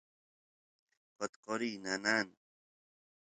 qotqoriy nanan